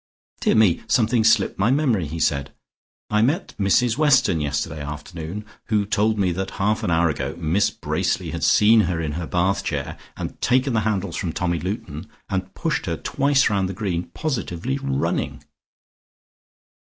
"Dear me, something slipped my memory," he said. "I met Mrs Weston yesterday afternoon, who told me that half an hour ago Miss Bracely had seen her in her bath chair and had taken the handles from Tommy Luton, and pushed her twice round the green, positively running."